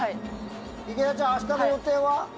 池田ちゃん、明日の予定は？